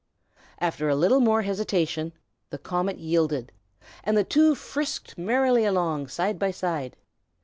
After a little more hesitation, the comet yielded, and the two frisked merrily along, side by side.